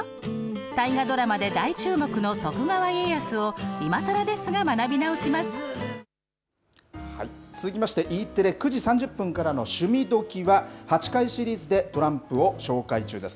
大河ドラマで大注目の徳川家康を、続きましてＥテレ、９時３０分からの趣味どきっ！は、８回シリーズでトランプを紹介中です。